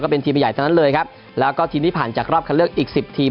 เป็นทีมใหญ่ทั้งนั้นเลยครับแล้วก็ทีมที่ผ่านจากรอบคันเลือกอีกสิบทีม